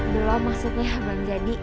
belom maksudnya belum jadi